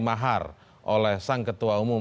mahar oleh sang ketua umum